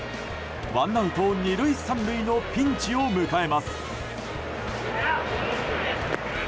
ワンアウト、２塁３塁のピンチを迎えます。